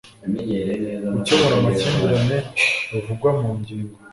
gukemura amakimbirane ruvugwa mu ngingo